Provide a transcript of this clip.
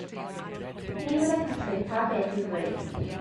Ni wyddai Catrin pa beth i'w ddweud